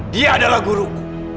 dia adalah guruku